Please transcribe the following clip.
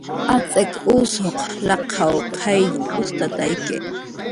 Atz'ik usuq laqaw qayll ustatayki